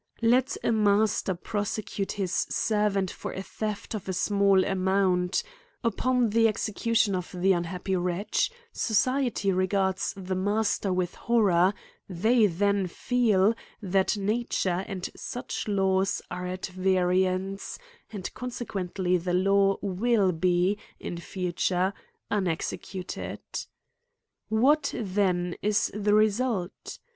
Let a mas ter prosecute his servant for a theft of a small a mount ; upon the execution of the unhappy wretch, society regards the master with horror : they then feel, that nature and such laws are at variance, and consequently the law will be, in future, unexecu ted. What then is the result